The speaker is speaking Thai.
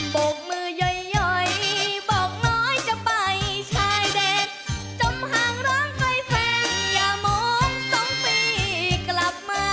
บกมือย่อยบอกน้อยจะไปชายเด็กจมห่างร้องไปเพลงอย่ามองสองปีกลับมา